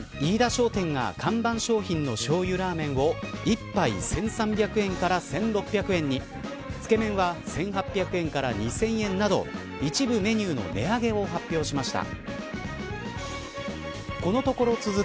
商店が看板商品のしょうゆらぁ麺を１杯１３００円から１６００円につけ麺は１８００円から２０００円など一部メニューの値上げを発表しました。